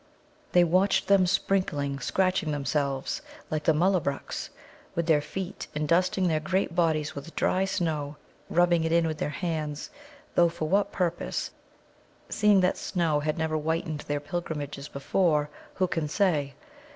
They watched them sprinkling, scratching themselves, like the Mullabruks, with their feet, and dusting their great bodies with dry snow, rubbing it in with their hands, though for what purpose, seeing that snow had never whitened their pilgrimages before, who can say?